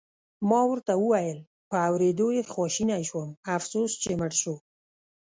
ما ورته وویل: په اورېدو یې خواشینی شوم، افسوس چې مړ شو.